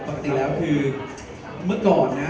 ก็คือเมื่อก่อนนะ